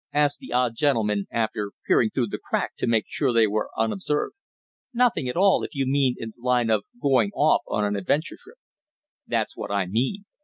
asked the odd gentleman, after peering through the crack to make sure they were unobserved. "Nothing at all, if you mean in the line of going off on an adventure trip." "That's what I mean.